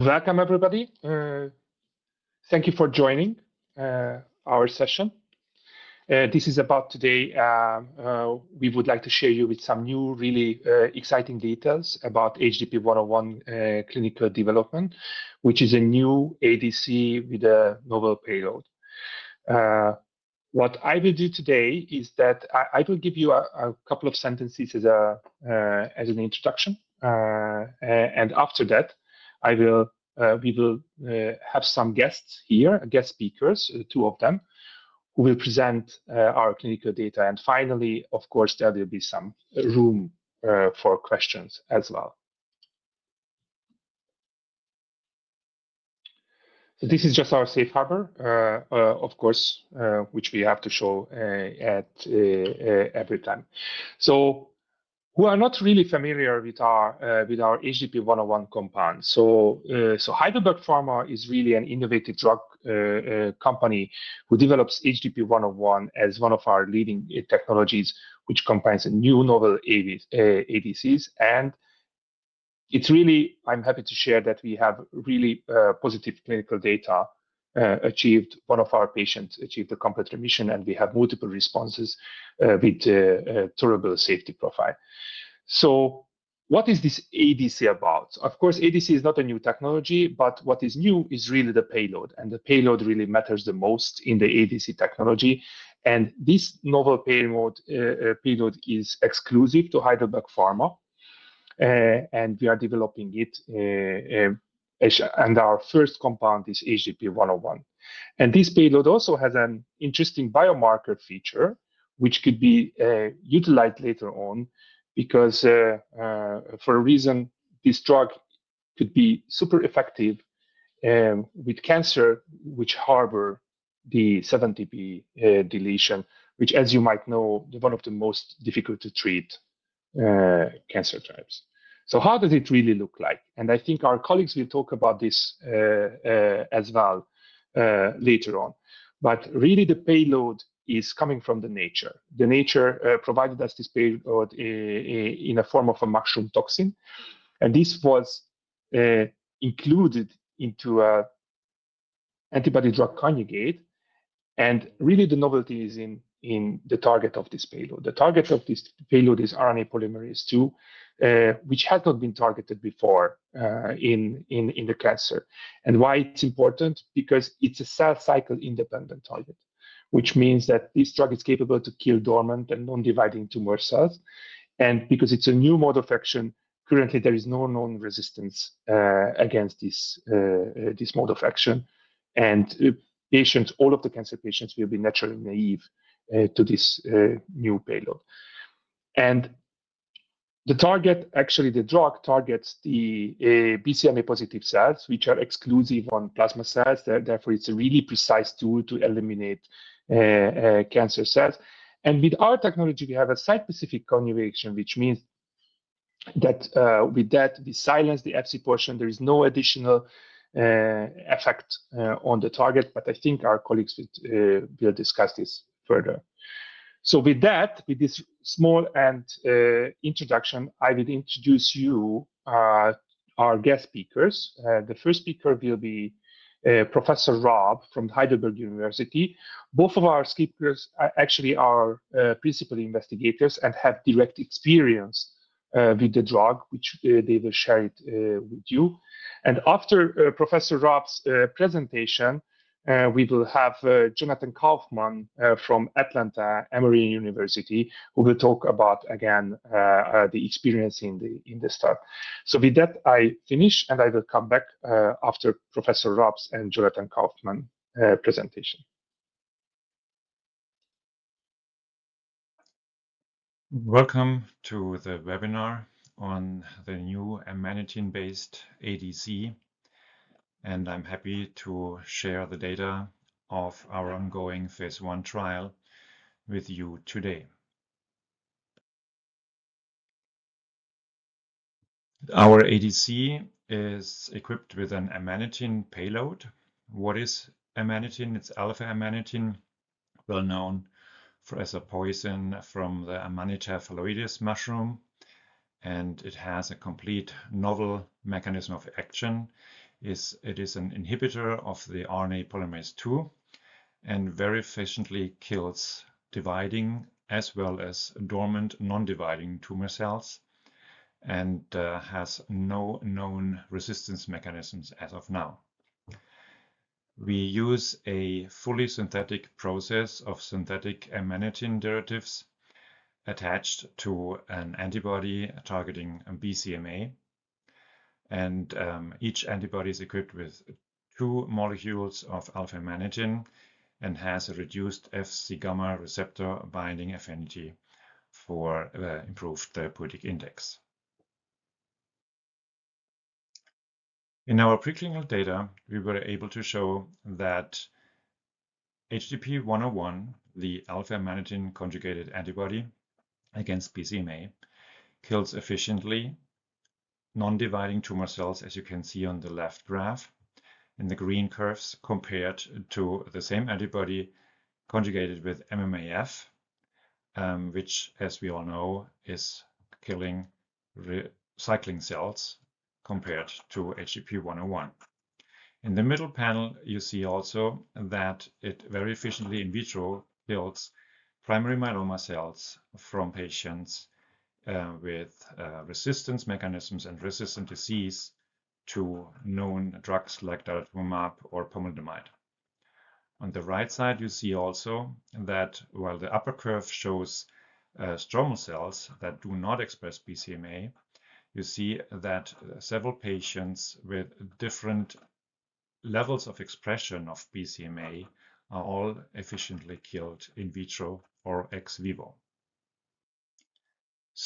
Welcome, everybody. Thank you for joining our session. This is about today. We would like to share you with some new, really exciting details about HDP-101 clinical development, which is a new ADC with a novel payload. What I will do today is that I will give you a couple of sentences as an introduction. After that, we will have some guests here, guest speakers, two of them, who will present our clinical data. Finally, of course, there will be some room for questions as well. This is just our safe harbor, of course, which we have to show at every time. We are not really familiar with our HDP-101 compound. Heidelberg Pharma is really an innovative drug company who develops HDP-101 as one of our leading technologies, which combines new novel ADCs. I am happy to share that we have really positive clinical data achieved. One of our patients achieved a complete remission, and we have multiple responses with a terrible safety profile. What is this ADC about? Of course, ADC is not a new technology, but what is new is really the payload. The payload really matters the most in the ADC technology. This novel payload is exclusive to Heidelberg Pharma. We are developing it. Our first compound is HDP-101. This payload also has an interesting biomarker feature, which could be utilized later on because, for a reason, this drug could be super effective with cancer which harbors the 17p deletion, which, as you might know, is one of the most difficult to treat cancer types. How does it really look like? I think our colleagues will talk about this as well later on. Really, the payload is coming from nature. Nature provided us this payload in the form of a mushroom toxin. This was included into an antibody-drug conjugate. Really, the novelty is in the target of this payload. The target of this payload is RNA polymerase II, which has not been targeted before in cancer. Why is it important? Because it is a cell cycle independent target, which means that this drug is capable to kill dormant and non-dividing tumor cells. Because it is a new mode of action, currently, there is no known resistance against this mode of action. All of the cancer patients will be naturally naive to this new payload. The target, actually, the drug targets the BCMA-positive cells, which are exclusive on plasma cells. Therefore, it's a really precise tool to eliminate cancer cells. With our technology, we have a site-specific conjugation, which means that with that, we silence the FC portion. There is no additional effect on the target. I think our colleagues will discuss this further. With this small introduction, I will introduce you to our guest speakers. The first speaker will be Professor Martin Raab from Heidelberg University. Both of our speakers actually are principal investigators and have direct experience with the drug, which they will share with you. After Professor Raab's presentation, we will have Jonathan Kaufman from Atlanta Emory University, who will talk about, again, the experience in the study. With that, I finish, and I will come back after Professor Raab's and Jonathan Kaufman's presentation. Welcome to the webinar on the new amanitin-based ADC. I'm happy to share the data of our ongoing phase I trial with you today. Our ADC is equipped with an amanitin payload. What is amanitin? It's alpha-amanitin, well known as a poison from the Amanita phalloides mushroom. It has a completely novel mechanism of action. It is an inhibitor of RNA polymerase II and very efficiently kills dividing as well as dormant non-dividing tumor cells and has no known resistance mechanisms as of now. We use a fully synthetic process of synthetic amanitin derivatives attached to an antibody targeting BCMA. Each antibody is equipped with two molecules of alpha-amanitin and has a reduced FC gamma receptor binding affinity for improved therapeutic index. In our preclinical data, we were able to show that HDP-101, the alpha-amanitin conjugated antibody against BCMA, kills efficiently non-dividing tumor cells, as you can see on the left graph in the green curves compared to the same antibody conjugated with MMAF, which, as we all know, is killing cycling cells compared to HDP-101. In the middle panel, you see also that it very efficiently in vitro kills primary myeloma cells from patients with resistance mechanisms and resistant disease to known drugs like daratumumab or pomalidomide. On the right side, you see also that while the upper curve shows stromal cells that do not express BCMA, you see that several patients with different levels of expression of BCMA are all efficiently killed in vitro or ex vivo.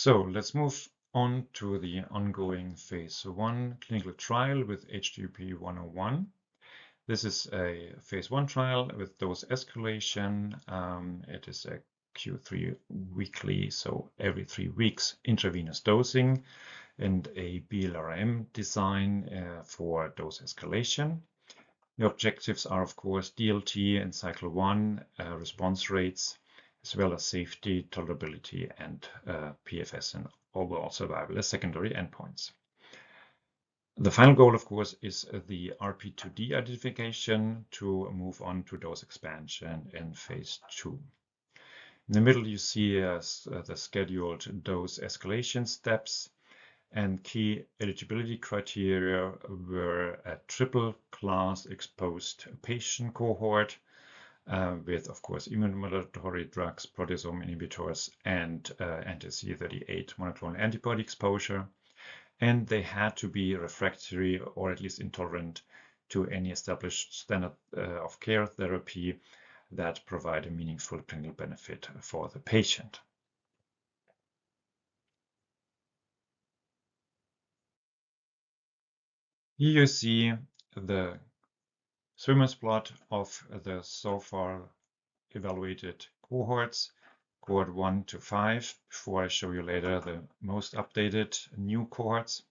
Let's move on to the ongoing phase I clinical trial with HDP-101. This is a phase I trial with dose escalation. It is a Q3 weekly, so every three weeks intravenous dosing and a BLRM design for dose escalation. The objectives are, of course, DLT and cycle one response rates, as well as safety, tolerability, and PFS and overall survival, the secondary endpoints. The final goal, of course, is the RP2D identification to move on to dose expansion in phase II. In the middle, you see the scheduled dose escalation steps. Key eligibility criteria were a triple-class exposed patient cohort with, of course, immunomodulatory drugs, proteasome inhibitors, and anti-CD38 monoclonal antibody exposure. They had to be refractory or at least intolerant to any established standard of care therapy that provided meaningful clinical benefit for the patient. Here you see the swimmers' plot of the so far evaluated cohorts, Cohort 1- Cohort 5, before I show you later the most updated new cohorts.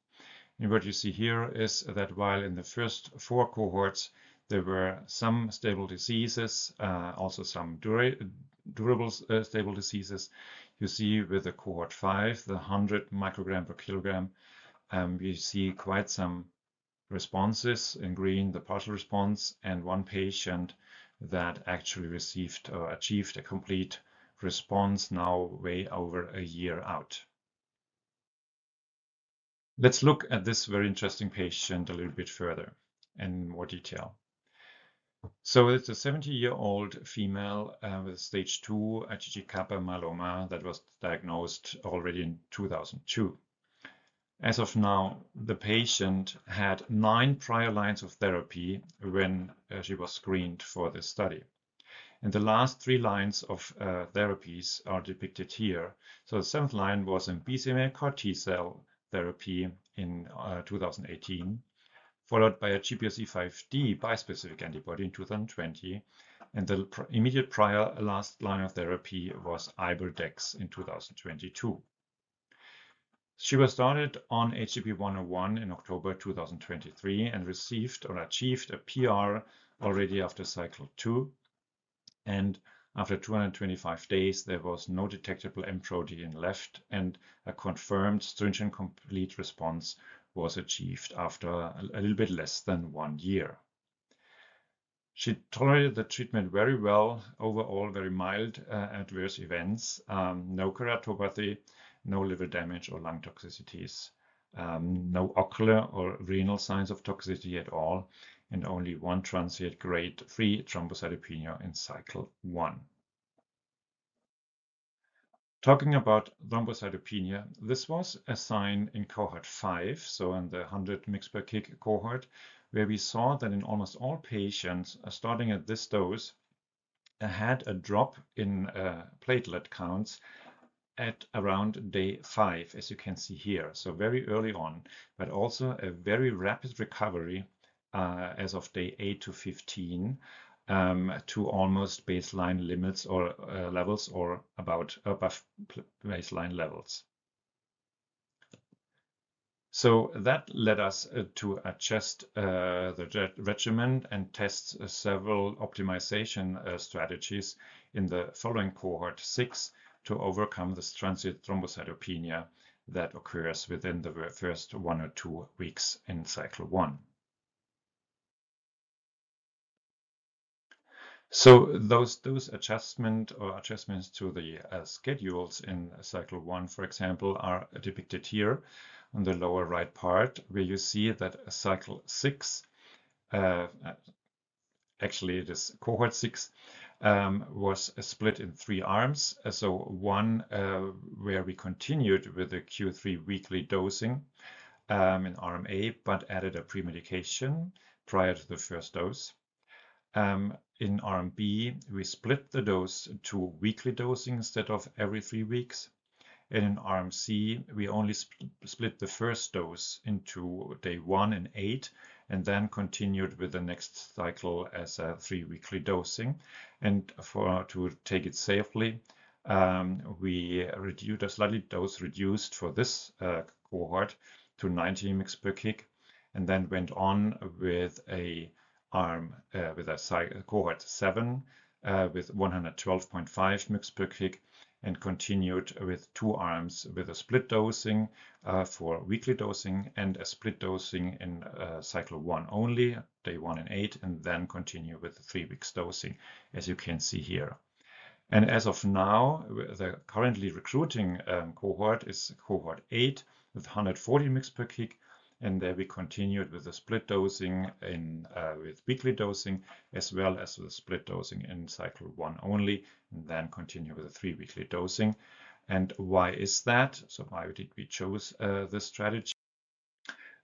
What you see here is that while in the first four cohorts, there were some stable diseases, also some durable stable diseases, you see with Cohort 5, the 100 microgram per kilogram, we see quite some responses in green, the partial response, and one patient that actually received or achieved a complete response now way over a year out. Let's look at this very interesting patient a little bit further in more detail. It is a 70-year-old female with stage II IgG kappa myeloma that was diagnosed already in 2002. As of now, the patient had nine prior lines of therapy when she was screened for this study. The last three lines of therapies are depicted here. The seventh line was a BCMA CAR T cell therapy in 2018, followed by a GPRC5D bispecific antibody in 2020. The immediate prior last line of therapy was IBRDX in 2022. She was started on HDP-101 in October 2023 and received or achieved a PR already after cycle two. After 225 days, there was no detectable M protein left. A confirmed stringent complete response was achieved after a little bit less than one year. She tolerated the treatment very well overall, very mild adverse events. No keratopathy, no liver damage or lung toxicities, no ocular or renal signs of toxicity at all, and only one transient grade 3 thrombocytopenia in cycle one. Talking about thrombocytopenia, this was a sign in Cohort 5, so in the 100 mg per kg cohort, where we saw that almost all patients starting at this dose had a drop in platelet counts at around day five, as you can see here. Very early on, but also a very rapid recovery as of day eight to 15 to almost baseline limits or levels or about above baseline levels. That led us to adjust the regimen and test several optimization strategies in the following Cohort 6 to overcome this transient thrombocytopenia that occurs within the first one or two weeks in cycle one. Those adjustments to the schedules in cycle one, for example, are depicted here on the lower right part, where you see that Cohort 6 was split in three arms. One where we continued with the Q3 weekly dosing in RMA, but added a pre-medication prior to the first dose. In RMB, we split the dose to weekly dosing instead of every three weeks. In RMC, we only split the first dose into day one and eight and then continued with the next cycle as a three-weekly dosing. To take it safely, we reduced a slightly dose reduced for this cohort to 19 mg per kg and then went on with Cohort 7 with 112.5 mg per kg and continued with two arms with a split dosing for weekly dosing and a split dosing in cycle one only, day one and eight, and then continue with three weeks dosing, as you can see here. As of now, the currently recruiting cohort is Cohort 8 with 140 mg per kg. There we continued with the split dosing with weekly dosing as well as the split dosing in cycle one only and then continue with the three-weekly dosing. Why is that? Why did we choose this strategy?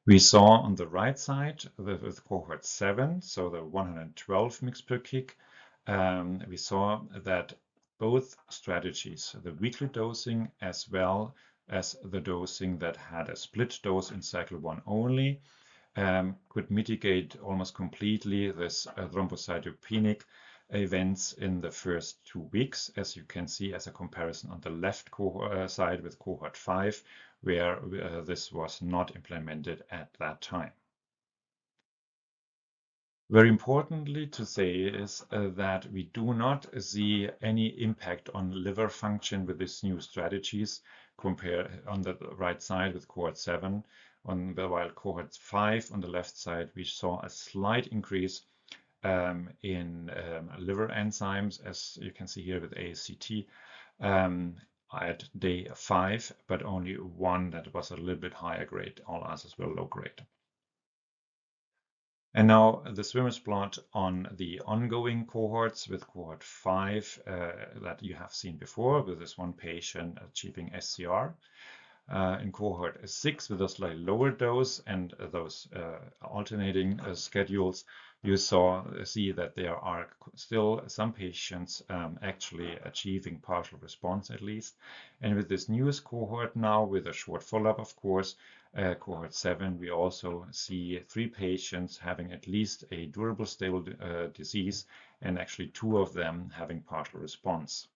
We saw on the right side with Cohort 7, so the 112 mg per kg, we saw that both strategies, the weekly dosing as well as the dosing that had a split dose in cycle one only, could mitigate almost completely these thrombocytopenic events in the first two weeks, as you can see as a comparison on the left side with Cohort 5, where this was not implemented at that time. Very importantly to say is that we do not see any impact on liver function with these new strategies compared on the right side with Cohort 7. While Cohort 5 on the left side, we saw a slight increase in liver enzymes, as you can see here with AST at day five, but only one that was a little bit higher grade, all others were low grade. Now the swimmers' plot on the ongoing cohorts with Cohort 5 that you have seen before with this one patient achieving SCR, in Cohort 6 with a slightly lower dose and those alternating schedules, you see that there are still some patients actually achieving partial response at least. With this newest cohort now, with a short follow-up, of course, Cohort 7, we also see three patients having at least a durable stable disease and actually two of them having partial response.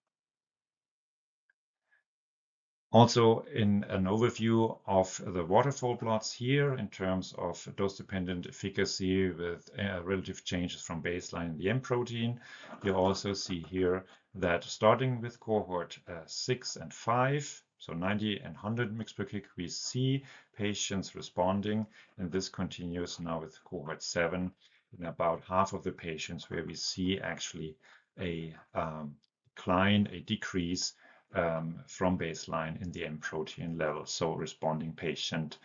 Also, in an overview of the waterfall plots here in terms of dose-dependent efficacy with relative changes from baseline in the M protein, you also see here that starting with Cohort 6 and Cohort 5, so 90 and 100 mg per kg, we see patients responding. This continues now with Cohort 7 in about half of the patients where we see actually a decline, a decrease from baseline in the M protein level, so responding patient.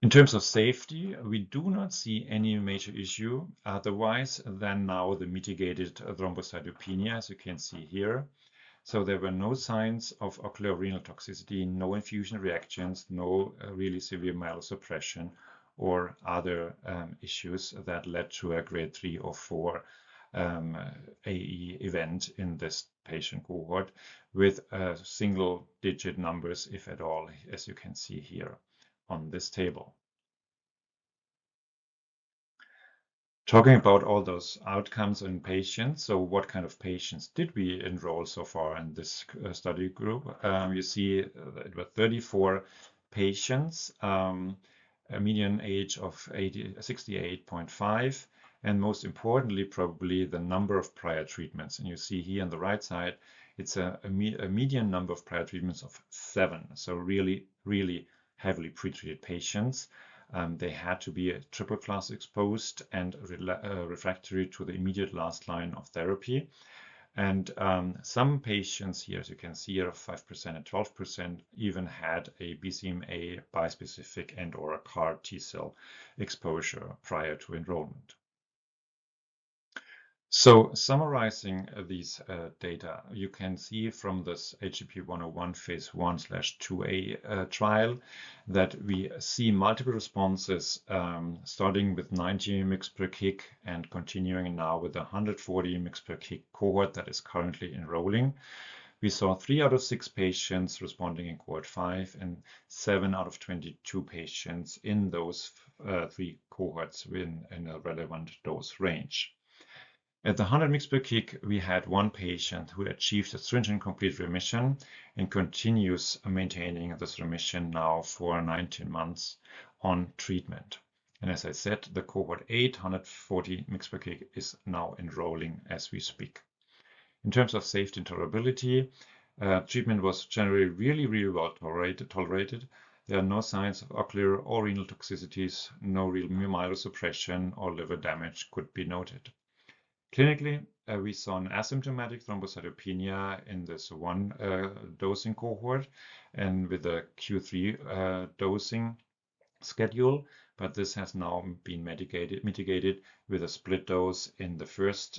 In terms of safety, we do not see any major issue otherwise than now the mitigated thrombocytopenia, as you can see here. There were no signs of ocular or renal toxicity, no infusion reactions, no really severe myelosuppression or other issues that led to a grade three or grade four AE event in this patient cohort with single-digit numbers, if at all, as you can see here on this table. Talking about all those outcomes in patients, what kind of patients did we enroll so far in this study group? You see it was 34 patients, a median age of 68.5, and most importantly, probably the number of prior treatments. You see here on the right side, it's a median number of prior treatments of seven, so really, really heavily pretreated patients. They had to be triple-class exposed and refractory to the immediate last line of therapy. Some patients here, as you can see, 5% and 12%, even had a BCMA bispecific and/or a CAR T cell exposure prior to enrollment. Summarizing these data, you can see from this HDP-101 phase I, phase II a trial that we see multiple responses starting with 19 mcg/kg and continuing now with the 140 mcg/kg cohort that is currently enrolling. We saw three out of six patients responding in Cohort 5 and seven out of 22 patients in those three cohorts in a relevant dose range. At the 100 mg per kg, we had one patient who achieved a stringent complete remission and continues maintaining this remission now for 19 months on treatment. As I said, the Cohort 8, 140 mg per kg, is now enrolling as we speak. In terms of safety and tolerability, treatment was generally really, really well tolerated. There are no signs of ocular or renal toxicities, no real myelosuppression or liver damage could be noted. Clinically, we saw an asymptomatic thrombocytopenia in this one dosing cohort and with a Q3 dosing schedule, but this has now been mitigated with a split dose in the first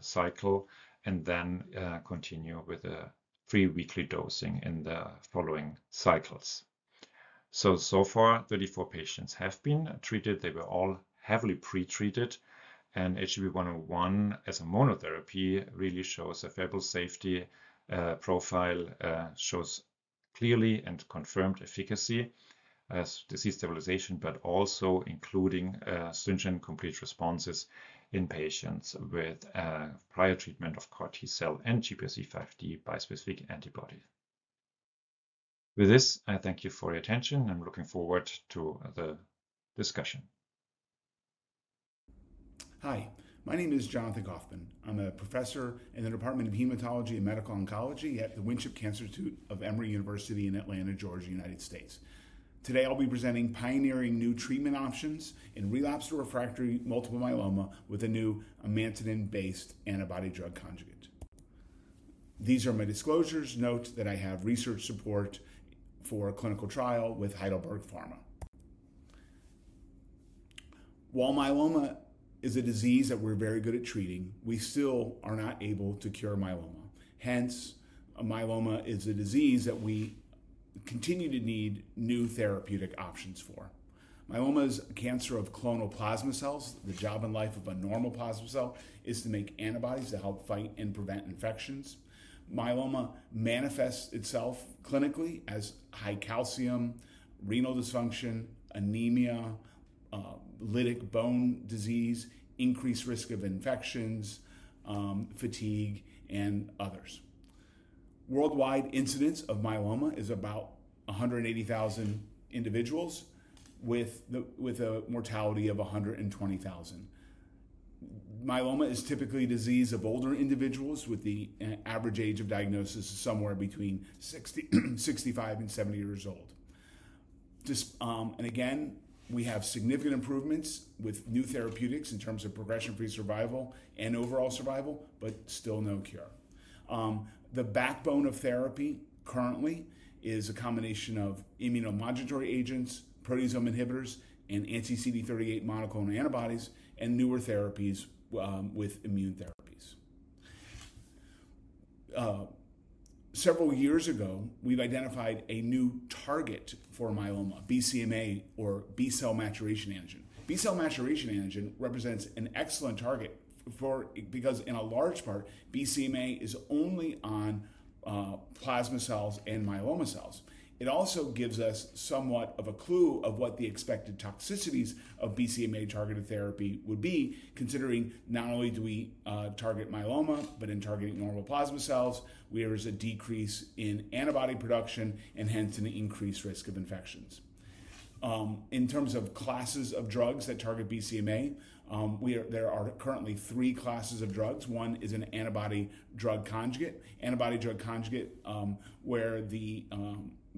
cycle and then continue with a three-weekly dosing in the following cycles. So far, 34 patients have been treated. They were all heavily pretreated. HDP-101 as a monotherapy really shows a favorable safety profile, shows clearly and confirmed efficacy as disease stabilization, but also including stringent complete responses in patients with prior treatment of CAR T cell and GPRC5D bispecific antibody. With this, I thank you for your attention. I'm looking forward to the discussion. Hi, my name is Jonathan Kaufman. I'm a professor in the Department of Hematology and Medical Oncology at the Winship Cancer Institute of Emory University in Atlanta, Georgia, United States. Today, I'll be presenting pioneering new treatment options in relapsed or refractory multiple myeloma with a new alpha-amanitin-based antibody-drug conjugate. These are my disclosures note that I have research support for a clinical trial with Heidelberg Pharma. While myeloma is a disease that we're very good at treating, we still are not able to cure myeloma. Hence, myeloma is a disease that we continue to need new therapeutic options for. Myeloma is cancer of clonal plasma cells. The job in life of a normal plasma cell is to make antibodies to help fight and prevent infections. Myeloma manifests itself clinically as high calcium, renal dysfunction, anemia, lytic bone disease, increased risk of infections, fatigue, and others. Worldwide incidence of myeloma is about 180,000 individuals with a mortality of 120,000. Myeloma is typically a disease of older individuals with the average age of diagnosis somewhere between 65-years-old and 70-years-old. We have significant improvements with new therapeutics in terms of progression-free survival and overall survival, but still no cure. The backbone of therapy currently is a combination of immunomodulatory agents, proteasome inhibitors, and anti-CD38 monoclonal antibodies, and newer therapies with immune therapies. Several years ago, we've identified a new target for myeloma, BCMA or B-cell maturation antigen. B-cell maturation antigen represents an excellent target because in a large part, BCMA is only on plasma cells and myeloma cells. It also gives us somewhat of a clue of what the expected toxicities of BCMA targeted therapy would be, considering not only do we target myeloma, but in targeting normal plasma cells, there is a decrease in antibody production and hence an increased risk of infections. In terms of classes of drugs that target BCMA, there are currently three classes of drugs. One is an antibody-drug conjugate, antibody-drug conjugate, where the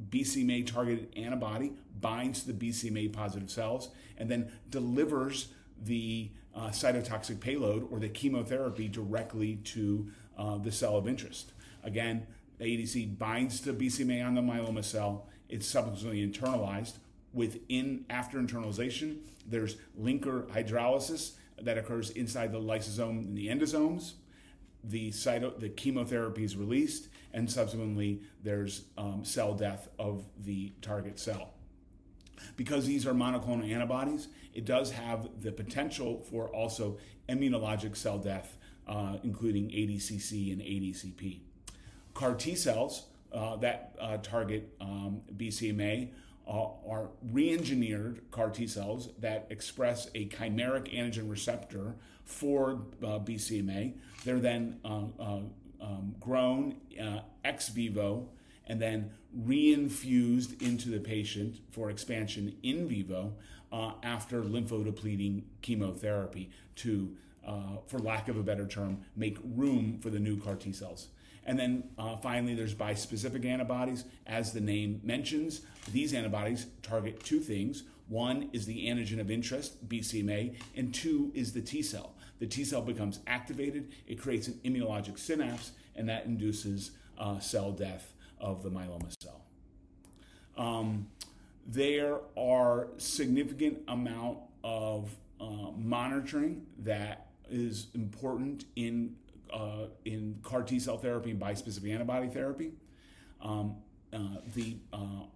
BCMA targeted antibody binds to the BCMA positive cells and then delivers the cytotoxic payload or the chemotherapy directly to the cell of interest. Again, ADC binds to BCMA on the myeloma cell. It's subsequently internalized. After internalization, there's linker hydrolysis that occurs inside the lysosome and the endosomes. The chemotherapy is released, and subsequently, there's cell death of the target cell. Because these are monoclonal antibodies, it does have the potential for also immunologic cell death, including ADCC and ADCP. CAR T cells that target BCMA are re-engineered CAR T cells that express a chimeric antigen receptor for BCMA. They're then grown ex vivo and then re-infused into the patient for expansion in vivo after lymphodepleting chemotherapy to, for lack of a better term, make room for the new CAR T cells. Finally, there's bispecific antibodies. As the name mentions, these antibodies target two things. One is the antigen of interest, BCMA, and two is the T cell. The T cell becomes activated. It creates an immunologic synapse, and that induces cell death of the myeloma cell. There are significant amounts of monitoring that is important in CAR T cell therapy and bispecific antibody therapy. The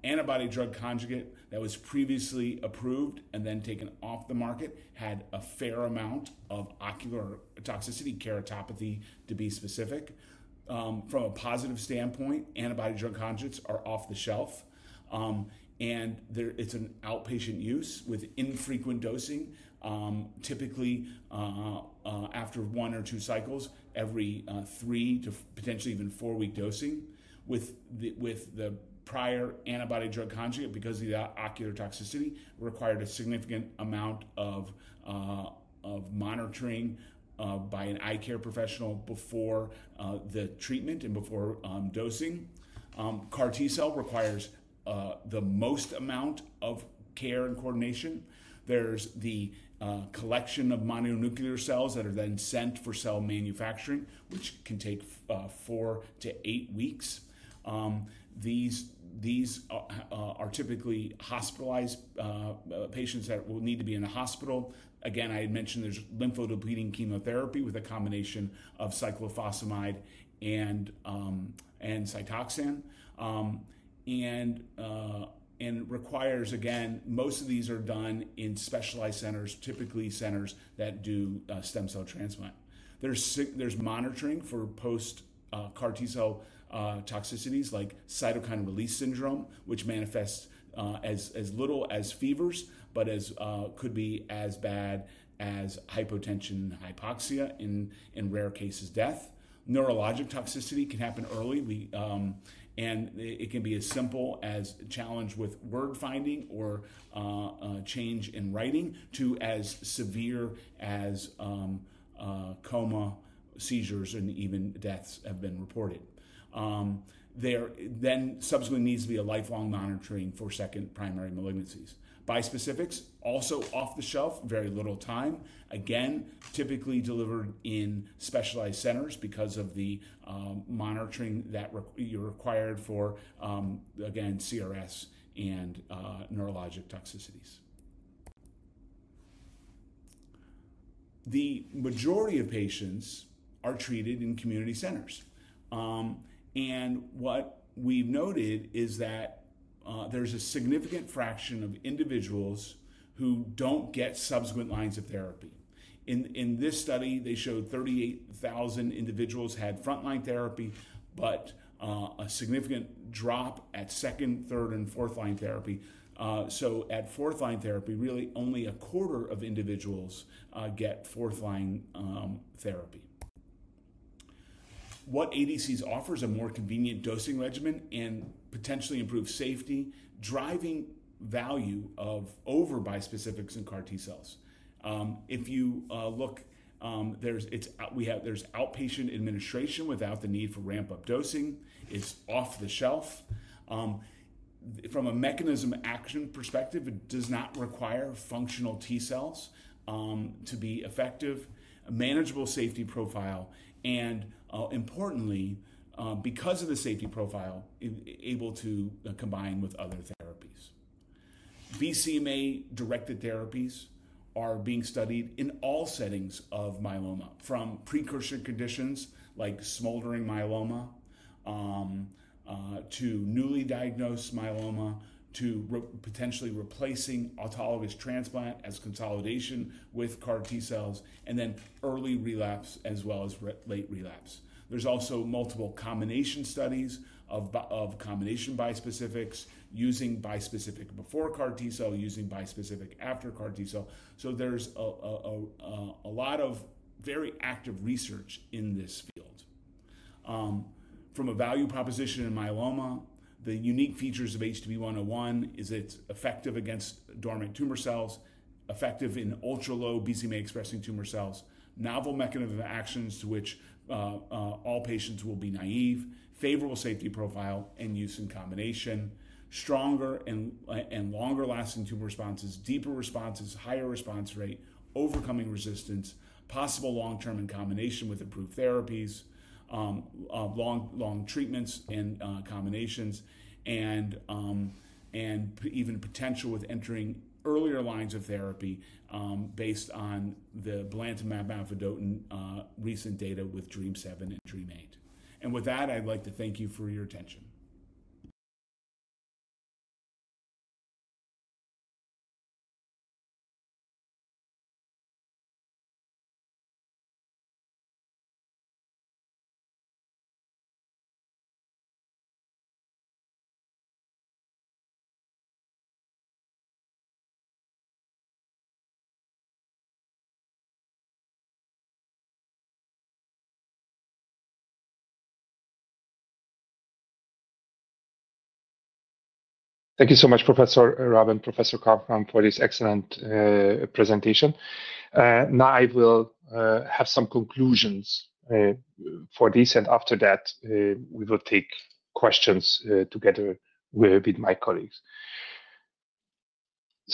antibody drug conjugate that was previously approved and then taken off the market had a fair amount of ocular toxicity, keratopathy to be specific. From a positive standpoint, antibody drug conjugates are off the shelf, and it's an outpatient use with infrequent dosing, typically after one or two cycles, every three to potentially even four-week dosing. With the prior antibody drug conjugate, because of the ocular toxicity, it required a significant amount of monitoring by an eye care professional before the treatment and before dosing. CAR T cell requires the most amount of care and coordination. There's the collection of mononuclear cells that are then sent for cell manufacturing, which can take four to eight weeks. These are typically hospitalized patients that will need to be in a hospital. Again, I had mentioned there's lymphodepleting chemotherapy with a combination of cyclophosphamide and Cytoxan and requires, again, most of these are done in specialized centers, typically centers that do stem cell transplant. There's monitoring for post-CAR T cell toxicities like cytokine release syndrome, which manifests as little as fevers, but could be as bad as hypotension and hypoxia and in rare cases, death. Neurologic toxicity can happen early, and it can be as simple as a challenge with word finding or change in writing to as severe as coma, seizures, and even deaths have been reported. There then subsequently needs to be a lifelong monitoring for second primary malignancies. Bispecifics, also off the shelf, very little time. Again, typically delivered in specialized centers because of the monitoring that you're required for, again, CRS and neurologic toxicities. The majority of patients are treated in community centers. What we've noted is that there's a significant fraction of individuals who don't get subsequent lines of therapy. In this study, they showed 38,000 individuals had frontline therapy, but a significant drop at second, third, and fourth line therapy. At fourth line therapy, really only a quarter of individuals get fourth line therapy. What ADCs offers is a more convenient dosing regimen and potentially improves safety, driving value over bispecifics and CAR T cells. If you look, there's outpatient administration without the need for ramp-up dosing. It's off the shelf. From a mechanism of action perspective, it does not require functional T cells to be effective, a manageable safety profile, and importantly, because of the safety profile, able to combine with other therapies. BCMA-directed therapies are being studied in all settings of myeloma, from precursor conditions like smoldering myeloma to newly diagnosed myeloma to potentially replacing autologous transplant as consolidation with CAR T cells, and then early relapse as well as late relapse. There are also multiple combination studies of combination bispecifics, using bispecific before CAR T cell, using bispecific after CAR T cell. There is a lot of very active research in this field. From a value proposition in myeloma, the unique features of HDP-101 is it's effective against dormant tumor cells, effective in ultra-low BCMA-expressing tumor cells, novel mechanism of actions to which all patients will be naive, favorable safety profile, and use in combination, stronger and longer-lasting tumor responses, deeper responses, higher response rate, overcoming resistance, possible long-term in combination with improved therapies, long treatments and combinations, and even potential with entering earlier lines of therapy based on the belantamab mafodotin recent data withDREAMM-7 and DREAMM-8. I would like to thank you for your attention. Thank you so much, Professor Raab, and Professor Kaufman, for this excellent presentation. Now I will have some conclusions for this, and after that, we will take questions together with my colleagues.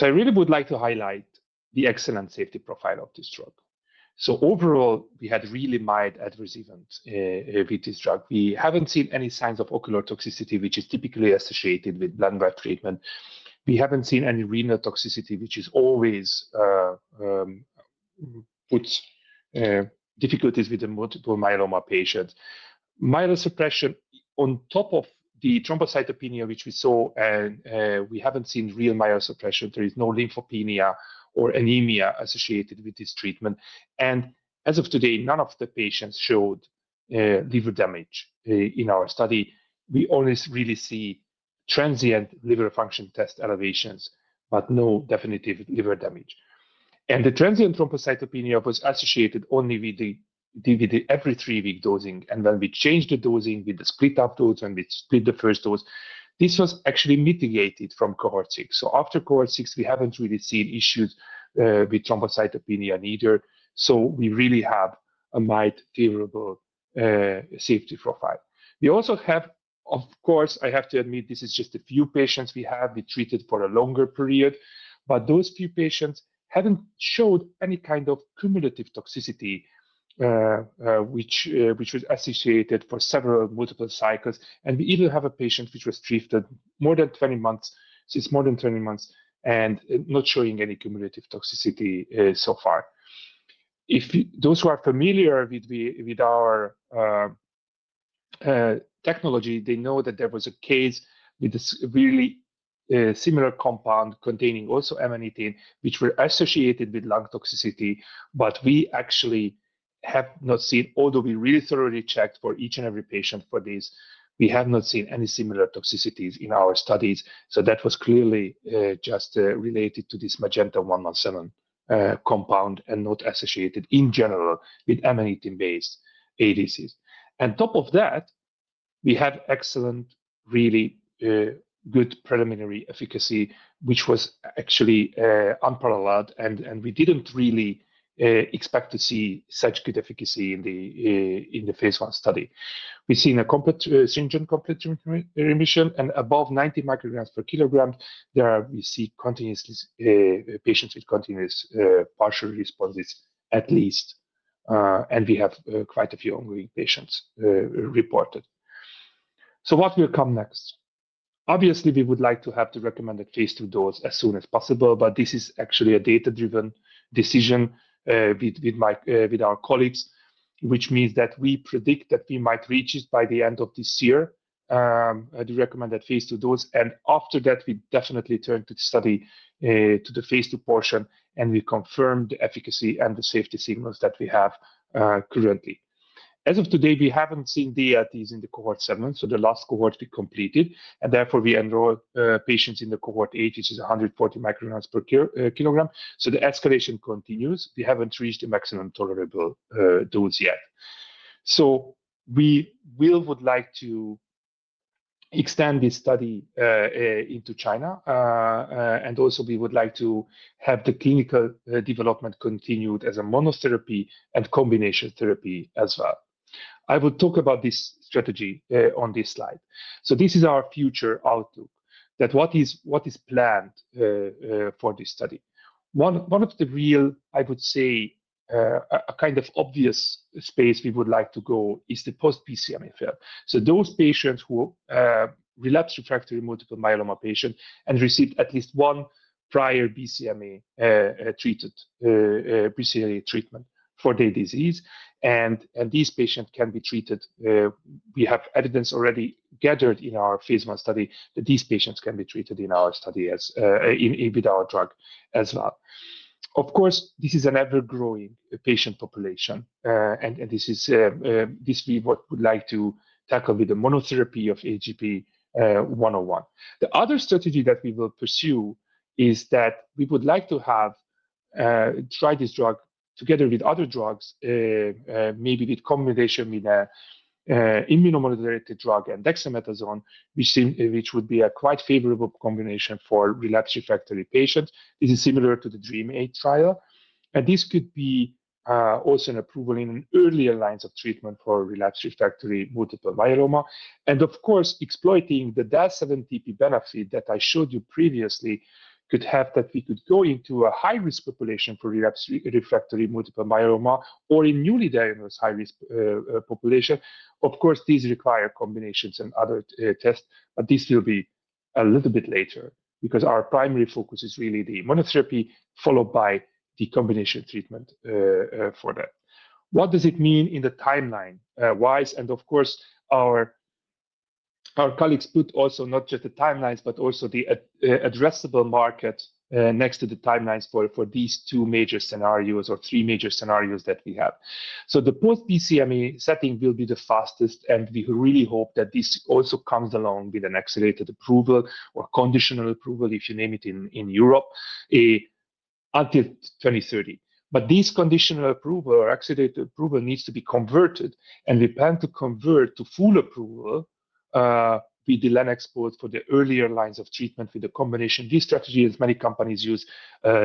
I really would like to highlight the excellent safety profile of this drug. Overall, we had really mild adverse events with this drug. We have not seen any signs of ocular toxicity, which is typically associated with belantamab treatment. We have not seen any renal toxicity, which always puts difficulties with the multiple myeloma patients. Myelosuppression on top of the thrombocytopenia, which we saw, and we have not seen real myelosuppression. There is no lymphopenia or anemia associated with this treatment. As of today, none of the patients showed liver damage in our study. We only really see transient liver function test elevations, but no definitive liver damage. The transient thrombocytopenia was associated only with every three-week dosing. When we changed the dosing with the split-up dose and we split the first dose, this was actually mitigated from Cohort 6. After Cohort 6, we have not really seen issues with thrombocytopenia either. We really have a mild, favorable safety profile. We also have, of course, I have to admit, this is just a few patients we have treated for a longer period, but those few patients have not showed any kind of cumulative toxicity, which was associated for several multiple cycles. We even have a patient which was treated more than 20 months, since more than 20 months, and not showing any cumulative toxicity so far. If those who are familiar with our technology, they know that there was a case with a really similar compound containing also amanitin, which was associated with lung toxicity, but we actually have not seen, although we really thoroughly checked for each and every patient for this, we have not seen any similar toxicities in our studies. That was clearly just related to this Magenta 117 compound and not associated in general with amanitin-based ADCs. On top of that, we have excellent, really good preliminary efficacy, which was actually unparalleled, and we didn't really expect to see such good efficacy in the phase I study. We've seen a stringent complete remission, and above 90 micrograms per kilogram, we see patients with continuous partial responses at least, and we have quite a few ongoing patients reported. What will come next? Obviously, we would like to have the recommended phase II dose as soon as possible, but this is actually a data-driven decision with our colleagues, which means that we predict that we might reach it by the end of this year, the recommended phase II dose. After that, we definitely turn to the study, to the phase II portion, and we confirm the efficacy and the safety signals that we have currently. As of today, we haven't seen DLTs in Cohort 7, so the last cohort we completed, and therefore we enroll patients in Cohort 8, which is 140 micrograms per kilogram. The escalation continues. We haven't reached the maximum tolerable dose yet. We would like to extend this study into China, and also we would like to have the clinical development continued as a monotherapy and combination therapy as well. I will talk about this strategy on this slide. This is our future outlook, that what is planned for this study. One of the real, I would say, a kind of obvious space we would like to go is the post-BCMA field. Those patients who are relapsed refractory multiple myeloma patients and received at least one prior BCMA treated BCMA treatment for their disease, and these patients can be treated. We have evidence already gathered in our phase I study that these patients can be treated in our study with our drug as well. Of course, this is an ever-growing patient population, and this is what we would like to tackle with the monotherapy of HDP-101. The other strategy that we will pursue is that we would like to try this drug together with other drugs, maybe with combination with an immunomodulator drug and dexamethasone, which would be a quite favorable combination for relapsed refractory patients. This is similar to the DREAMM-8 trial. This could be also an approval in earlier lines of treatment for relapsed refractory multiple myeloma. Of course, exploiting the del(17p) benefit that I showed you previously could have that we could go into a high-risk population for relapsed refractory multiple myeloma or in newly diagnosed high-risk population. Of course, these require combinations and other tests, but this will be a little bit later because our primary focus is really the monotherapy followed by the combination treatment for that. What does it mean in the timeline-wise? Our colleagues put also not just the timelines, but also the addressable market next to the timelines for these two major scenarios or three major scenarios that we have. The post-BCMA setting will be the fastest, and we really hope that this also comes along with an accelerated approval or conditional approval, if you name it in Europe, until 2030. This conditional approval or accelerated approval needs to be converted, and we plan to convert to full approval with the Lenalidomide board for the earlier lines of treatment with the combination. This strategy is many companies use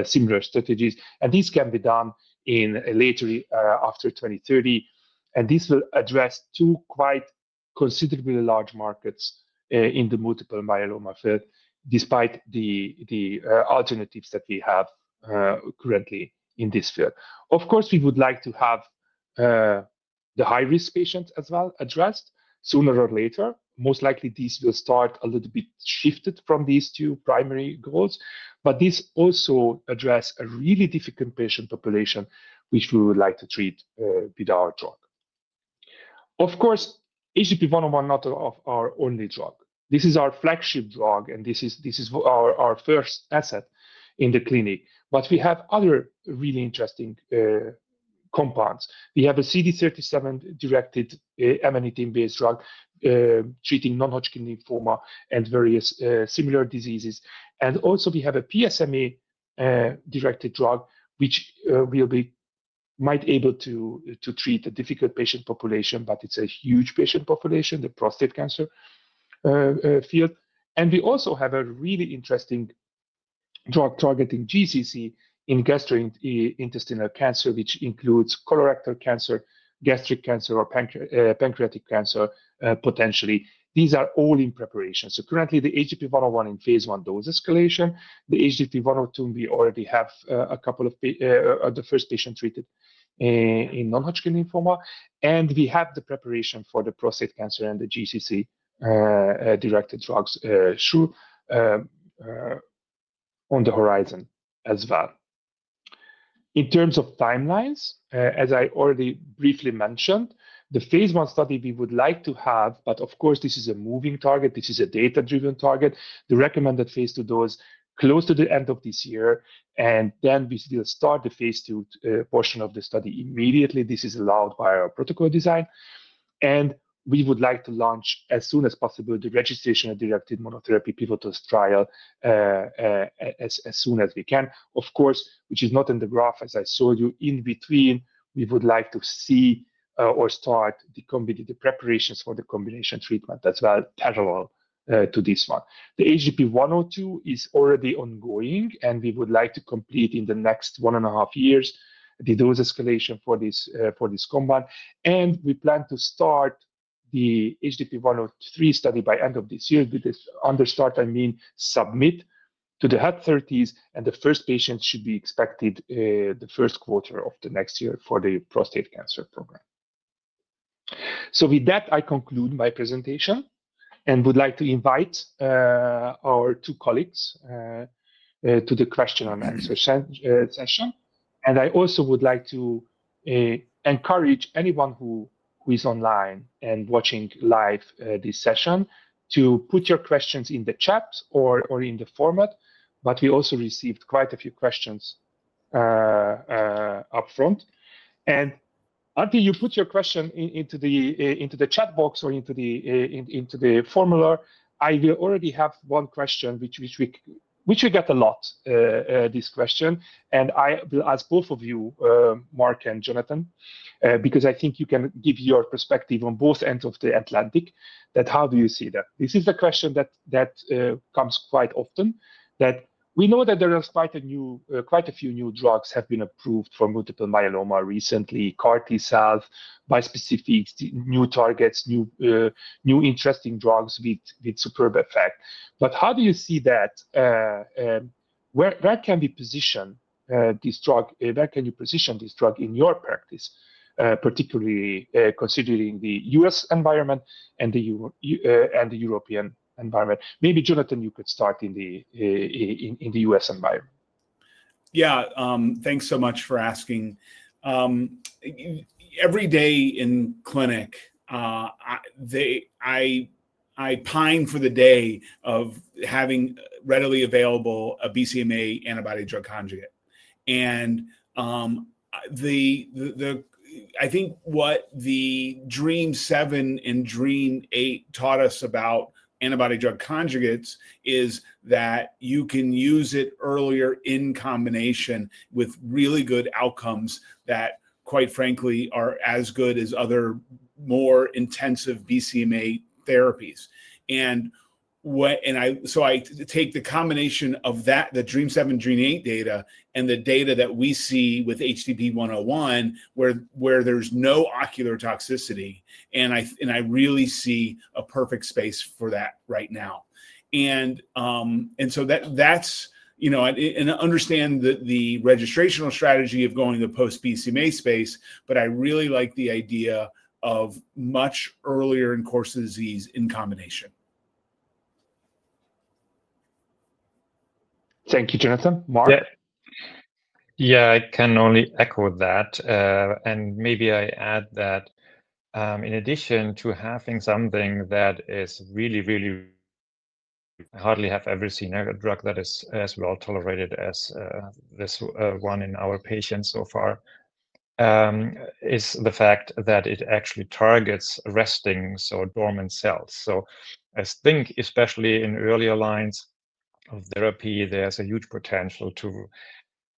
similar strategies, and these can be done later after 2030. This will address two quite considerably large markets in the multiple myeloma field despite the alternatives that we have currently in this field. Of course, we would like to have the high-risk patients as well addressed sooner or later. Most likely, these will start a little bit shifted from these two primary goals, but this also addresses a really difficult patient population, which we would like to treat with our drug. Of course, HDP-101 is not our only drug. This is our flagship drug, and this is our first asset in the clinic, but we have other really interesting compounds. We have a CD37-directed amanitin-based drug treating non-Hodgkin lymphoma and various similar diseases. Also, we have a PSMA-directed drug, which we might be able to treat a difficult patient population, but it is a huge patient population, the prostate cancer field. We also have a really interesting drug targeting GCC in gastrointestinal cancer, which includes colorectal cancer, gastric cancer, or pancreatic cancer potentially. These are all in preparation. Currently, the HDP-101 is in phase I dose escalation. The HDP-102, we already have a couple of the first patients treated in non-Hodgkin lymphoma, and we have the preparation for the prostate cancer and the GCC-directed drugs on the horizon as well. In terms of timelines, as I already briefly mentioned, the phase I study we would like to have, but of course, this is a moving target. This is a data-driven target. The recommended phase II dose is close to the end of this year, and then we will start the phase II portion of the study immediately. This is allowed by our protocol design. We would like to launch as soon as possible the registration-directed monotherapy pivotal trial as soon as we can. Of course, which is not in the graph, as I showed you, in between, we would like to see or start the preparations for the combination treatment as well, parallel to this one. The HDP-102 is already ongoing, and we would like to complete in the next one and a half years the dose escalation for this compound. We plan to start the HDP-103 study by the end of this year. With this underscore, I mean submit to the HUD-30s, and the first patients should be expected the first quarter of the next year for the prostate cancer program. With that, I conclude my presentation and would like to invite our two colleagues to the question and answer session. I also would like to encourage anyone who is online and watching live this session to put your questions in the chat or in the format. We also received quite a few questions upfront. Until you put your question into the chat box or into the formular, I will already have one question, which we get a lot, this question. I will ask both of you, Mark and Jonathan, because I think you can give your perspective on both ends of the Atlantic that how do you see that? This is a question that comes quite often, that we know that there are quite a few new drugs that have been approved for multiple myeloma recently, CAR T cells, bispecifics, new targets, new interesting drugs with superb effect. How do you see that? Where can we position this drug? Where can you position this drug in your practice, particularly considering the U.S. environment and the European environment? Maybe Jonathan, you could start in the U.S. environment. Yeah, thanks so much for asking. Every day in clinic, I pine for the day of having readily available a BCMA antibody drug conjugate. I think what the DREAMM-7 and DREAMM-8 taught us about antibody drug conjugates is that you can use it earlier in combination with really good outcomes that, quite frankly, are as good as other more intensive BCMA therapies. I take the combination of the DREAMM-7, DREAMM-8 data and the data that we see with HDP-101 where there's no ocular toxicity, and I really see a perfect space for that right now. That is to understand the registrational strategy of going to the post-BCMA space, but I really like the idea of much earlier in course of disease in combination. Thank you, Jonathan. Marc? Yeah, I can only echo that. Maybe I add that in addition to having something that is really, really, I have hardly ever seen a drug that is as well tolerated as this one in our patients so far, is the fact that it actually targets resting, so dormant cells. I think especially in earlier lines of therapy, there is a huge potential to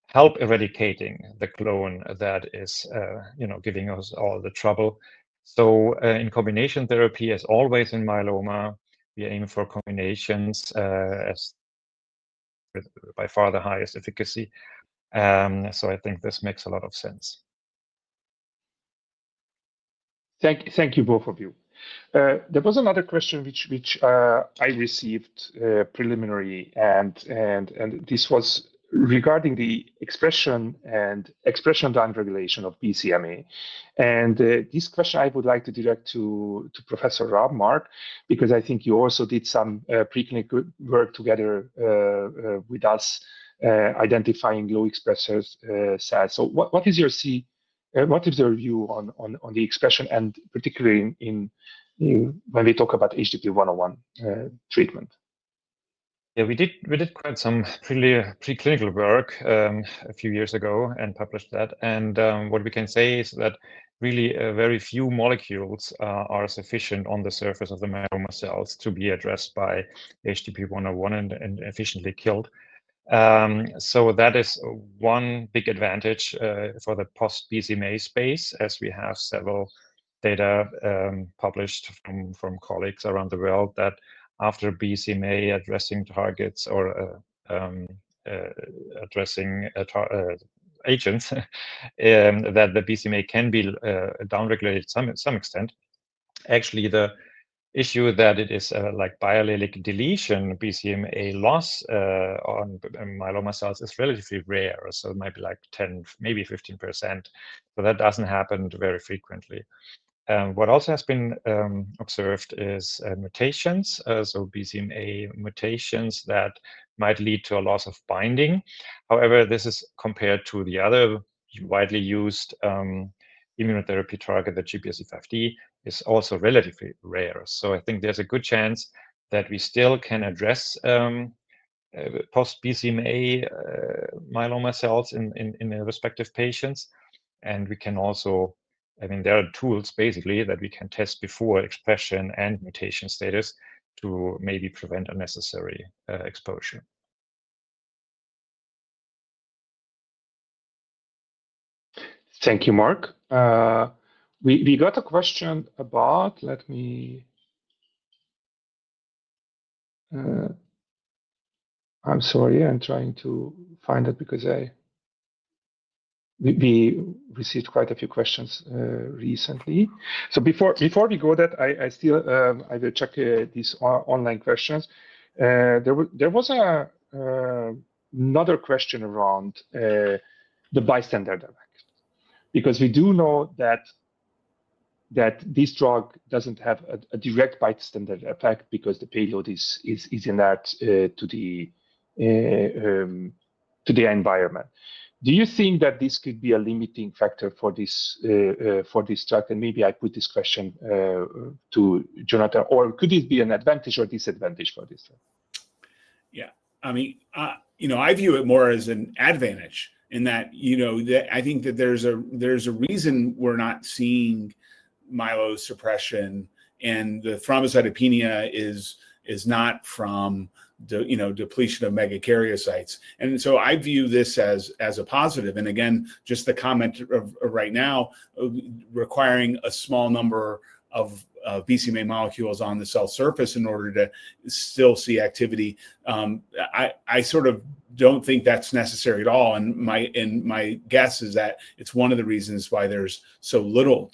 help eradicating the clone that is giving us all the trouble. In combination therapy, as always in myeloma, we aim for combinations with by far the highest efficacy. I think this makes a lot of sense. Thank you, both of you. There was another question which I received preliminary, and this was regarding the expression and expression downregulation of BCMA. This question, I would like to direct to Professor Raab because I think you also did some pre-clinical work together with us identifying low expressor cells. What is your view on the expression, and particularly when we talk about HDP-101 treatment? Yeah, we did quite some pre-clinical work a few years ago and published that. What we can say is that really very few molecules are sufficient on the surface of the myeloma cells to be addressed by HDP-101 and efficiently killed. That is one big advantage for the post-BCMA space, as we have several data published from colleagues around the world that after BCMA addressing targets or addressing agents, the BCMA can be downregulated to some extent. Actually, the issue that it is like biallelic deletion, BCMA loss on myeloma cells is relatively rare. It might be like 10%, maybe 15%. That does not happen very frequently. What also has been observed is mutations, so BCMA mutations that might lead to a loss of binding. However, this is compared to the other widely used immunotherapy target, the GPRC5D, is also relatively rare. I think there is a good chance that we still can address post-BCMA myeloma cells in respective patients. We can also, I mean, there are tools basically that we can test before, expression and mutation status, to maybe prevent unnecessary exposure. Thank you, Marc. We got a question about, let me—I'm sorry, I'm trying to find it because we received quite a few questions recently. Before we go to that, I will check these online questions. There was another question around the bystander effect because we do know that this drug doesn't have a direct bystander effect because the payload is inert to the environment. Do you think that this could be a limiting factor for this drug? Maybe I put this question to Jonathan, or could it be an advantage or disadvantage for this drug? Yeah, I mean, I view it more as an advantage in that I think that there's a reason we're not seeing myelosuppression, and the thrombocytopenia is not from depletion of megakaryocytes. I view this as a positive. Again, just the comment right now requiring a small number of BCMA molecules on the cell surface in order to still see activity, I sort of don't think that's necessary at all. My guess is that it's one of the reasons why there's so little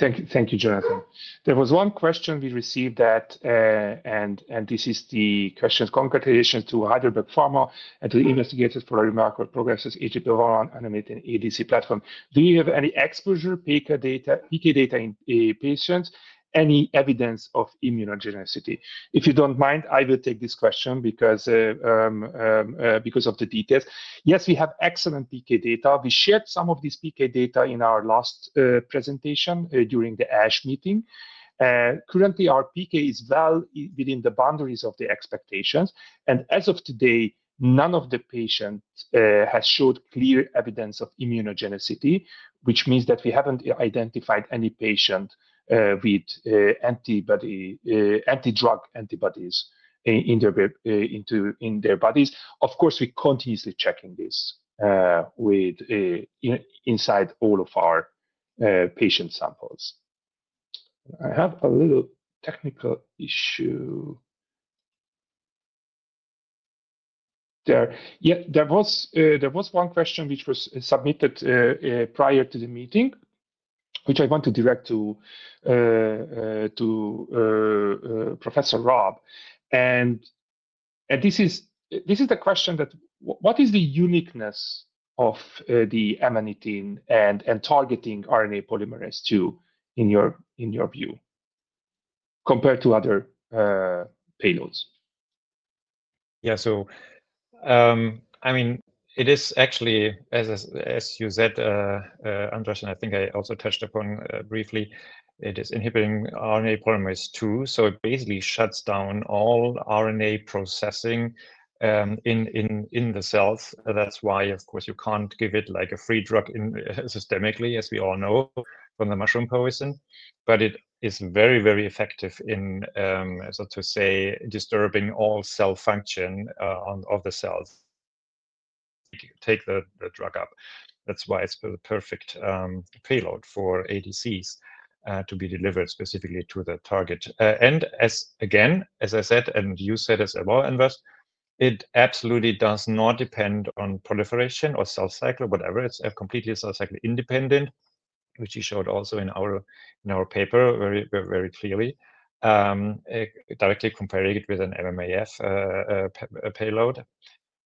toxicity. Thank you, Jonathan. There was one question we received that, and this is the question's congratulations to Heidelberg Pharma and to the investigators for remarkable progresses on the ADC platform. Do you have any exposure PK data in patients? Any evidence of immunogenicity? If you don't mind, I will take this question because of the details. Yes, we have excellent PK data. We shared some of this PK data in our last presentation during the ASH meeting. Currently, our PK is well within the boundaries of the expectations. As of today, none of the patients has showed clear evidence of immunogenicity, which means that we haven't identified any patient with anti-drug antibodies in their bodies. Of course, we're continuously checking this inside all of our patient samples. I have a little technical issue there. There was one question which was submitted prior to the meeting, which I want to direct to Professor Raab. This is the question that what is the uniqueness of the amanitin and targeting RNA polymerase II in your view compared to other payloads? Yeah, I mean, it is actually, as you said, Andras, and I think I also touched upon briefly, it is inhibiting RNA polymerase II. It basically shuts down all RNA processing in the cells. That is why, of course, you cannot give it like a free drug systemically, as we all know from the mushroom poison. It is very, very effective in, so to say, disturbing all cell function of the cells that take the drug up. That is why it is the perfect payload for ADCs to be delivered specifically to the target. Again, as I said, and you said as well, Andras, it absolutely does not depend on proliferation or cell cycle, whatever. It's completely cell cycle independent, which you showed also in our paper very clearly, directly comparing it with an MMAF payload.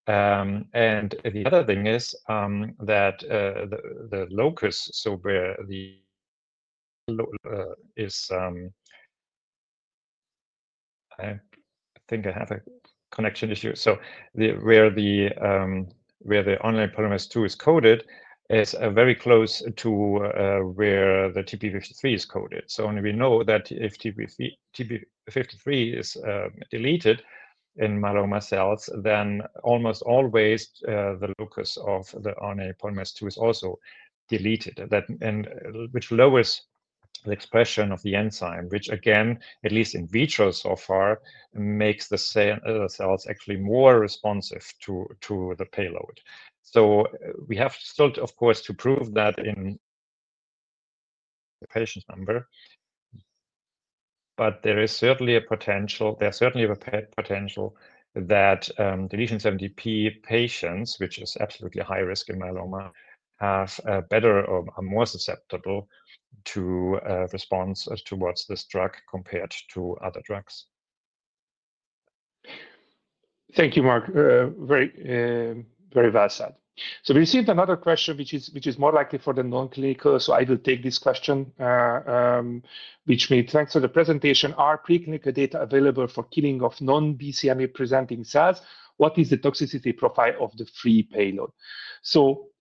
The other thing is that the locus, so where the—I think I have a connection issue. Where the RNA polymerase II is coded is very close to where the TP53 is coded. We know that if TP53 is deleted in myeloma cells, then almost always the locus of the RNA polymerase II is also deleted, which lowers the expression of the enzyme, which again, at least in vitro so far, makes the cells actually more responsive to the payload. We have still, of course, to prove that in the patient number, but there is certainly a potential—there is certainly a potential that del(17p) patients, which is absolutely high risk in myeloma, are better or more susceptible to response towards this drug compared to other drugs. Thank you, Marc. Very well said. We received another question, which is more likely for the non-clinical. I will take this question, which means thanks for the presentation. Are pre-clinical data available for killing of non-BCMA presenting cells? What is the toxicity profile of the free payload?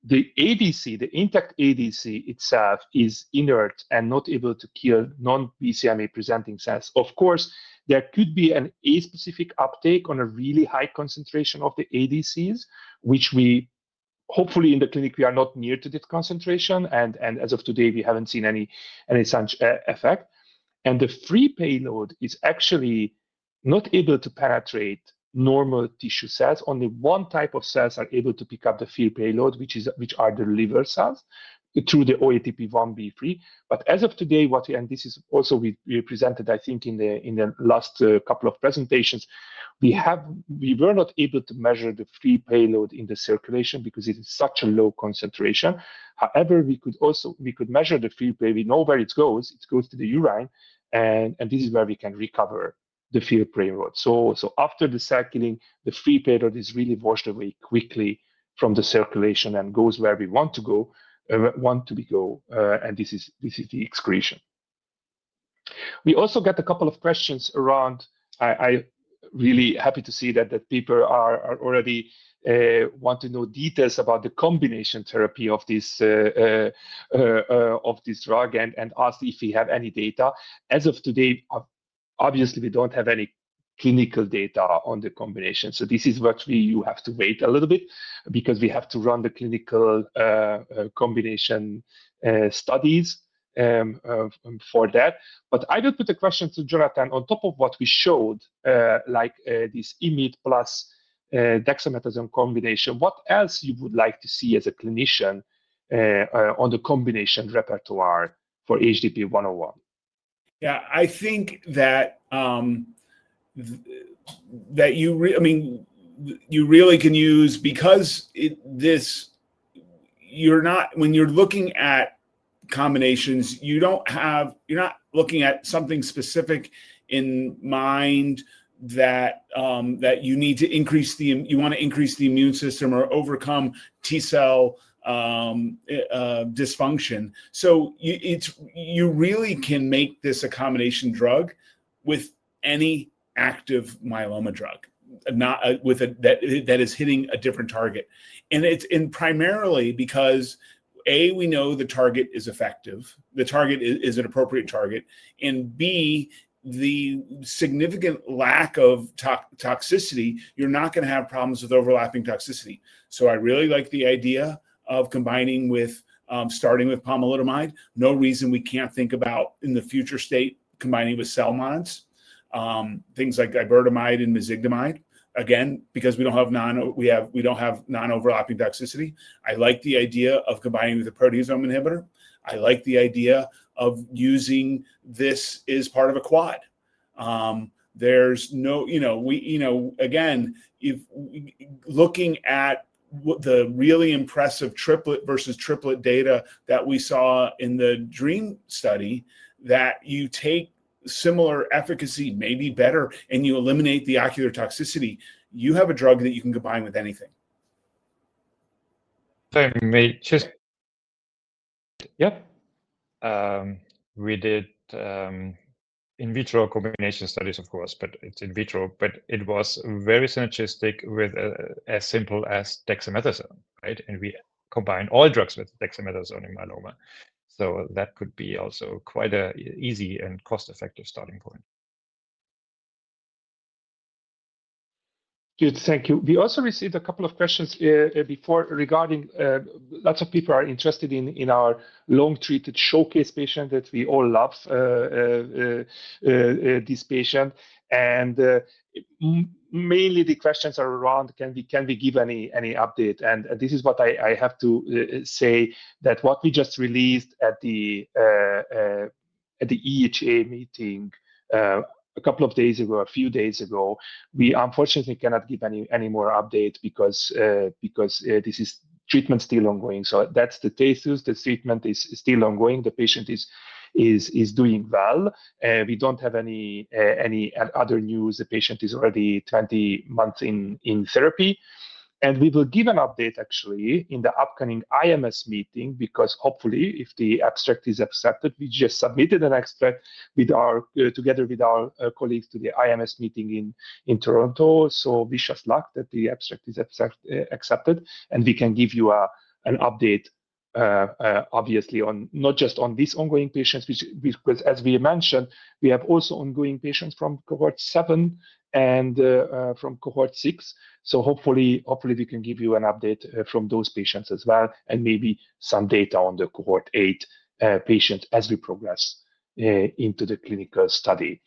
The ADC, the intact ADC itself is inert and not able to kill non-BCMA presenting cells. Of course, there could be an a specific uptake on a really high concentration of the ADCs, which we hopefully in the clinic, we are not near to this concentration. As of today, we haven't seen any such effect. The free payload is actually not able to penetrate normal tissue cells. Only one type of cells are able to pick up the free payload, which are the liver cells through the OATP1B3. As of today, what we—and this is also what we presented, I think, in the last couple of presentations—we were not able to measure the free payload in the circulation because it is such a low concentration. However, we could measure the free payload. We know where it goes. It goes to the urine, and this is where we can recover the free payload. After the cycling, the free payload is really washed away quickly from the circulation and goes where we want it to go, and this is the excretion. We also got a couple of questions around. I'm really happy to see that people are already wanting to know details about the combination therapy of this drug and asked if we have any data. As of today, obviously, we don't have any clinical data on the combination. This is what you have to wait a little bit because we have to run the clinical combination studies for that. I will put the question to Jonathan on top of what we showed, like this imid + dexamethasone combination. What else you would like to see as a clinician on the combination repertoire for HDP-101? Yeah, I think that you really can use because when you're looking at combinations, you're not looking at something specific in mind that you need to increase the—you want to increase the immune system or overcome T cell dysfunction. You really can make this accommodation drug with any active myeloma drug that is hitting a different target. It is primarily because, A, we know the target is effective. The target is an appropriate target. B, the significant lack of toxicity, you are not going to have problems with overlapping toxicity. I really like the idea of combining with starting with pomalidomide. No reason we cannot think about in the future state combining with cell mods, things like iberdomide and mizigdomide. Again, because we do not have non-overlapping toxicity. I like the idea of combining with a proteasome inhibitor. I like the idea of using this as part of a quad. There's no—again, looking at the really impressive triplet versus triplet data that we saw in the DREAMM study that you take similar efficacy, maybe better, and you eliminate the ocular toxicity, you have a drug that you can combine with anything. Sorry, mate. Yep. We did in vitro combination studies, of course, but it's in vitro. But it was very synergistic with as simple as dexamethasone, right? And we combine all drugs with dexamethasone in myeloma. That could be also quite an easy and cost-effective starting point. Good. Thank you. We also received a couple of questions before regarding lots of people are interested in our long-treated showcase patient that we all love, this patient. Mainly the questions are around, can we give any update? This is what I have to say that what we just released at the EHA meeting a couple of days ago, a few days ago, we unfortunately cannot give any more update because this is treatment still ongoing. That is the case. The treatment is still ongoing. The patient is doing well. We do not have any other news. The patient is already 20 months in therapy. We will give an update actually in the upcoming IMS meeting because hopefully if the abstract is accepted, we just submitted an abstract together with our colleagues to the IMS meeting in Toronto. Wish us luck that the abstract is accepted. We can give you an update, obviously, not just on these ongoing patients, because as we mentioned, we have also ongoing patients from Cohort 7 and from Cohort 6. Hopefully we can give you an update from those patients as well and maybe some data on the Cohort 8 patient as we progress into the clinical study.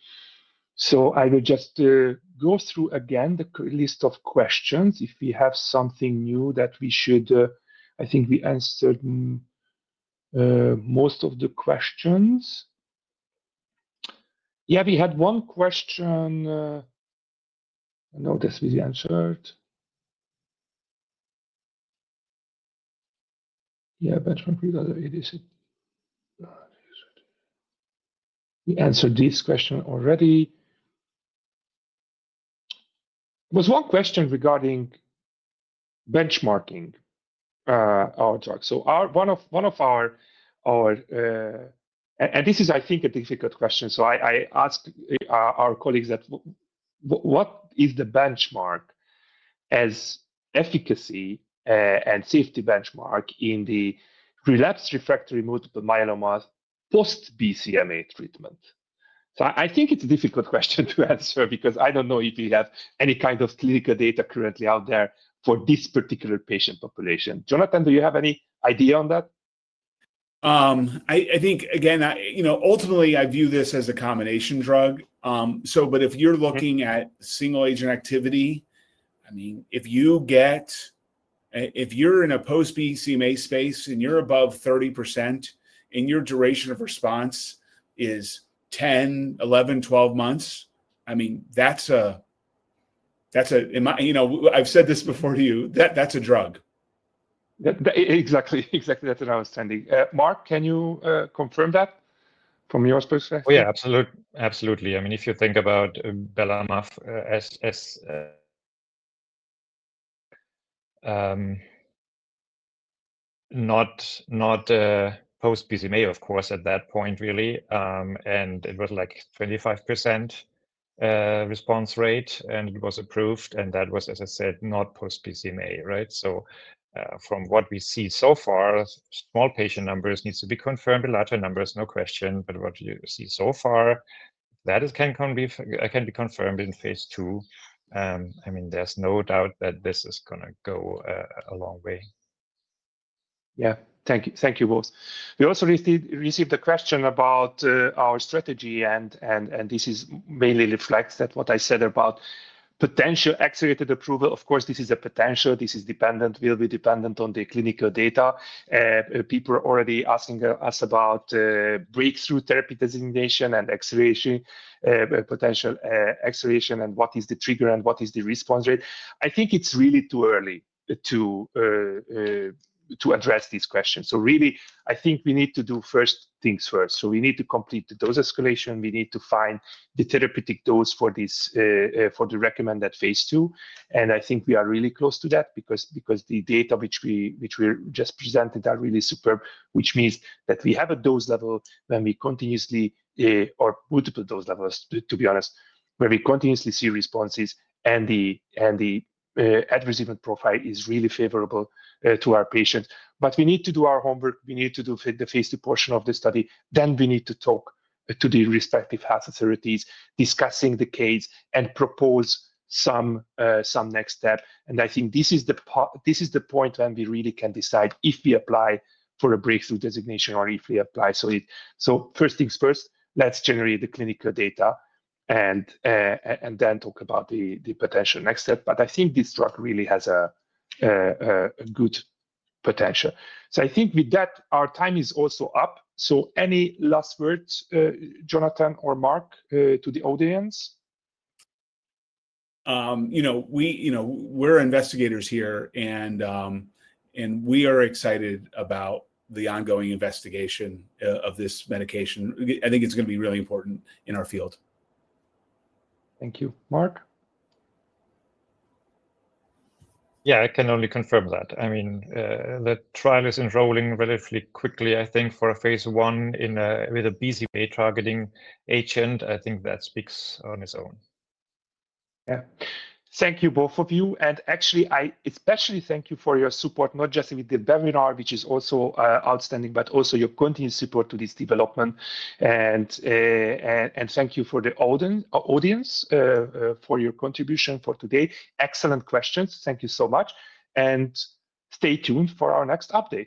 I will just go through again the list of questions if we have something new that we should—I think we answered most of the questions. Yeah, we had one question. I know this was answered. Yeah, Benjamin Prudhomme, we answered this question already. There was one question regarding benchmarking our drug. One of our—and this is, I think, a difficult question. I asked our colleagues what is the benchmark as efficacy and safety benchmark in the relapsed/refractory multiple myeloma post-BCMA treatment. I think it's a difficult question to answer because I don't know if we have any kind of clinical data currently out there for this particular patient population. Jonathan, do you have any idea on that? I think, again, ultimately, I view this as a combination drug. If you're looking at single-agent activity, I mean, if you're in a post-BCMA space and you're above 30% and your duration of response is 10, 11, 12 months, I mean, that's a—I have said this before to you. That's a drug. Exactly. Exactly. That's what I was tending. Marc, can you confirm that from your perspective? Oh, yeah, absolutely. I mean, if you think about Belantamab mafodotin as not post-BCMA, of course, at that point, really. It was like 25% response rate, and it was approved. That was, as I said, not post-BCMA, right? From what we see so far, small patient numbers need to be confirmed. The larger numbers, no question. What you see so far, that can be confirmed in phase II. I mean, there's no doubt that this is going to go a long way. Yeah. Thank you, both. We also received a question about our strategy, and this mainly reflects what I said about potential accelerated approval. Of course, this is a potential. This is dependent, will be dependent on the clinical data. People are already asking us about breakthrough therapy designation and acceleration, potential acceleration, and what is the trigger and what is the response rate. I think it's really too early to address these questions. Really, I think we need to do first things first. We need to complete the dose escalation. We need to find the therapeutic dose for the recommended phase II. I think we are really close to that because the data which we just presented are really superb, which means that we have a dose level when we continuously—or multiple dose levels, to be honest—where we continuously see responses, and the adverse event profile is really favorable to our patients. We need to do our homework. We need to do the phase II portion of the study. We need to talk to the respective health authorities, discussing the case, and propose some next step. I think this is the point when we really can decide if we apply for a breakthrough designation or if we apply. First things first, let's generate the clinical data and then talk about the potential next step. I think this drug really has a good potential. I think with that, our time is also up. Any last words, Jonathan or Marc, to the audience? We're investigators here, and we are excited about the ongoing investigation of this medication. I think it's going to be really important in our field. Thank you. Marc? Yeah, I can only confirm that. I mean, the trial is enrolling relatively quickly, I think, for a phase I with a BCMA targeting agent. I think that speaks on its own. Yeah. Thank you, both of you. I especially thank you for your support, not just with the webinar, which is also outstanding, but also your continued support to this development. Thank you for the audience for your contribution for today. Excellent questions. Thank you so much. Stay tuned for our next update.